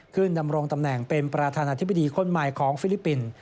ดำรงตำแหน่งเป็นประธานาธิบดีคนใหม่ของฟิลิปปินส์